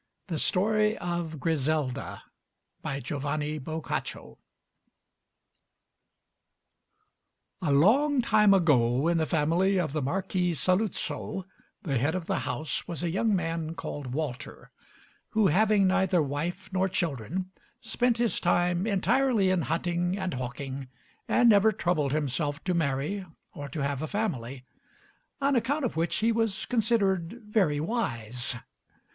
THE STORY OF GRISELDA A long time ago, in the family of the Marquis Saluzzo, the head of the house was a young man called Walter, who, having neither wife nor children, spent his time entirely in hunting and hawking, and never troubled himself to marry or to have a family, on account of which he was considered very wise.